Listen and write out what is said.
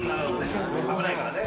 危ないからね。